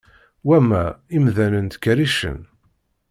Wamma, imdanen ttkerricen